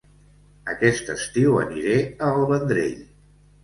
Aquest estiu aniré a El Vendrell